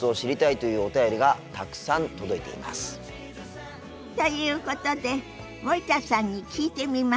ということで森田さんに聞いてみましょ。